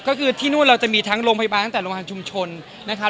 ก็คือที่นู่นเราจะมีทั้งโรงพยาบาลตั้งแต่โรงพยาบาลชุมชนนะครับ